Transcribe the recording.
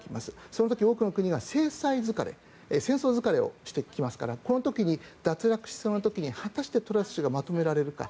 その時、多くの国が制裁疲れ戦争疲れをしてきますからこの時に脱落しそうな時に果たしてトラス氏がまとめられるか。